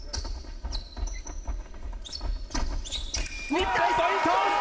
日本、ポイント！